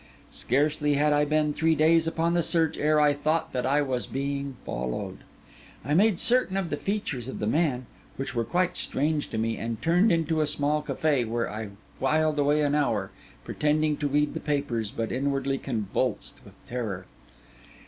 Scarcely had I been three days upon the search, ere I thought that I was being followed. I made certain of the features of the man, which were quite strange to me, and turned into a small café, where I whiled away an hour, pretending to read the papers, but inwardly convulsed with terror.